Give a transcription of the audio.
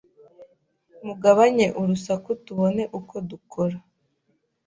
Mugabanye urusaku tubone uko dukora